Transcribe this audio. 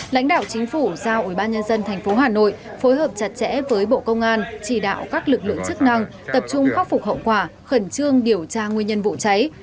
lãnh đạo chính phủ giao ủy ban nhân dân tp hà nội phối hợp chặt chẽ với bộ công an chỉ đạo các lực lượng chức năng tập trung khắc phục hậu quả khẩn trương điều tra nguyên nhân vụ cháy